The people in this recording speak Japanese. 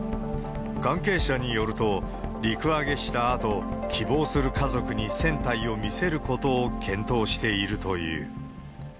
関係者によると、陸揚げしたあと、希望する家族に船体を見せることを検討しているという。